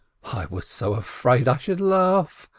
I was so afraid I should laugh.